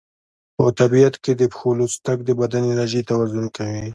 په طبیعت کې د پښو لوڅ تګ د بدن انرژي توازن کوي.